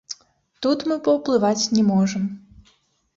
Тут мы паўплываць не можам.